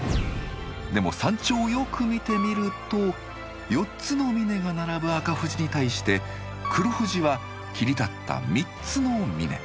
でも山頂をよく見てみると４つの峰が並ぶ赤富士に対して黒富士は切り立った３つの峰。